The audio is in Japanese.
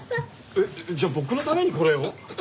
えっじゃあ僕のためにこれを？